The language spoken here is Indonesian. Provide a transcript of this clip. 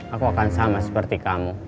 aku akan sama seperti kamu